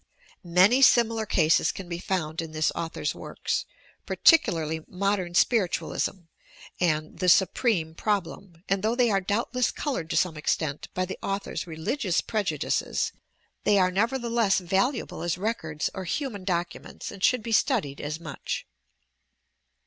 Many similar eases can be found in this author's works, particularly "Modem Spiritualism" and "The Supreme Problem," and though they are doubtless coloured to some extent by the author 'a religious prejudices, they are nevertheless valuable as records or "human docu ments," and should be studied as much.